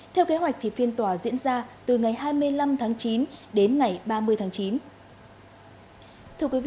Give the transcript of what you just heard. theo kế hoạch thì phiên tòa diễn ra từ ngày hai mươi năm tháng chín đến ngày ba mươi tháng chín